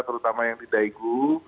terutama yang di daegu